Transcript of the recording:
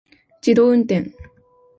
自動運転